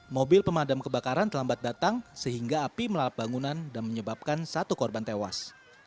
mobil pemadam kebakaran terlambat datang sehingga api melalap bangunan dan menyebabkan satu korban tewas